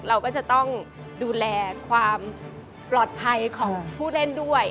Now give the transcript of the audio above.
เราก็จะต้องดูแลความปลอดภัยของผู้เล่นด้วย